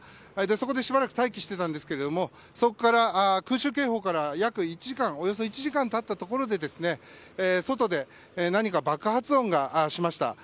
そこでしばらく待機していたんですが空襲警報からおよそ１時間経ったところで外で何か爆発音がしました。